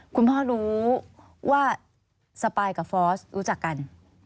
คุณพ่อรู้ว่าสปายกับฟอสรู้จักกัน